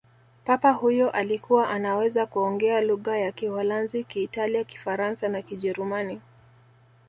papa huyo alikuwa anaweza kuongea lugha ya kiholanzi kiitalia kifaransa na kijerumani